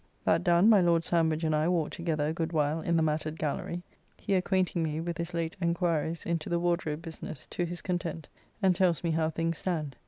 That done, my Lord Sandwich and I walked together a good while in the Matted Gallery, he acquainting me with his late enquiries into the Wardrobe business to his content; and tells me how things stand.